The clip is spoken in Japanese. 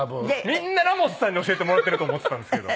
みんなラモスさんに教えてもらってると思ってたんですけど。